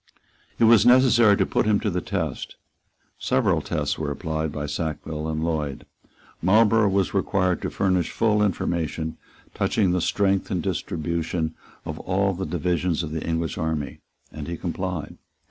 It was necessary to put him to the test. Several tests were applied by Sackville and Lloyd. Marlborough was required to furnish full information touching the strength and the distribution of all the divisions of the English army; and he complied.